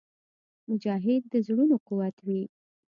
مجاهد د زړونو قوت وي.